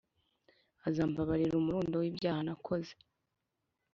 azambabarira umurundo w’ibyaha nakoze»;